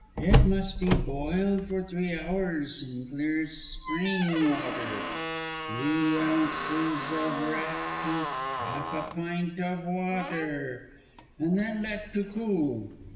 It must be boiled for three hours in clear spring water (3 ozs. of wrack to half a pint of water), and then let to cool.